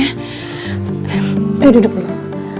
ayo duduk dulu